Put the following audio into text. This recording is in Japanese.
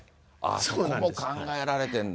そこも考えられてるんだ。